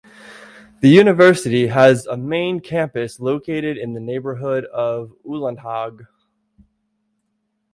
The university has a main campus located in the neighborhood of Ullandhaug.